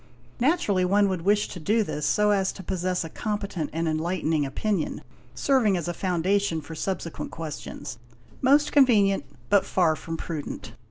Naturally one would wish to do this so as to possess a competent and enlightening opinion, serving as a foundation for subsequent questions: most convenient but far from prudent.